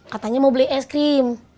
katanya mau beli es krim